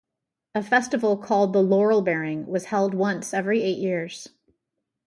A festival called the Laurel-Bearing was held once every eight years.